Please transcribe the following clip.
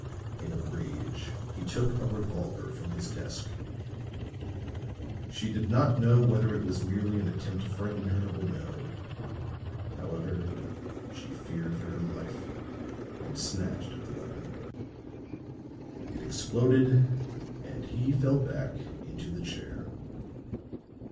In a rage he took a revolver from his desk. She did not know whether it was merely an attempt to frighten her or no; however, she feared for her life and snatched at the weapon. It exploded and he fell back into the chair.